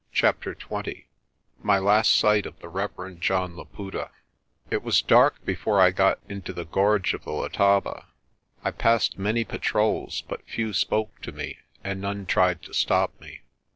CHAPTER XX MY LAST SIGHT OF THE REVEREND JOHN LAPUTA IT was dark before I got into the gorge of the Letaba. I passed many patrols but few spoke to me, and none tried to stop me.